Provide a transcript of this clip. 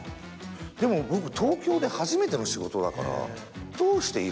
でも僕東京で初めての仕事だから。